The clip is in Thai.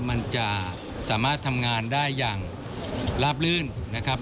มันจะสามารถทำงานได้อย่างลาบลื่นนะครับ